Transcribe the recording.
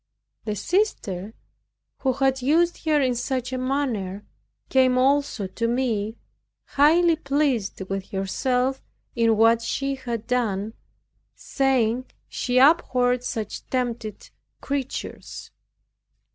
The sister who had used her in such a manner came also to me, highly pleased with herself in what she had done, saying, she abhorred such tempted creatures.